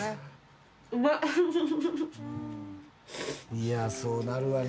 いやあそうなるわな。